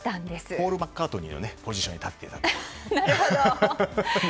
ポール・マッカートニーのポジションに立っていたと。